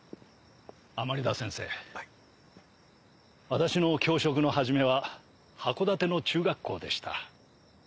私の教職の始めは函館の中学校でした。